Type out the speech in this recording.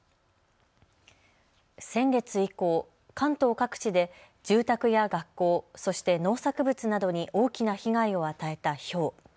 先月以降、関東各地で住宅や学校、そして農作物などに大きな被害を与えたひょう。